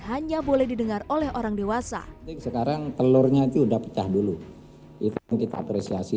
hanya boleh didengar oleh orang dewasa sekarang telurnya itu udah pecah dulu itu kita apresiasi